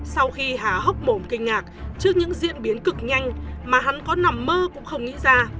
sau khi hà hốc mồm kinh ngạc trước những diễn biến cực nhanh mà hắn có nằm mơ cũng không nghĩ ra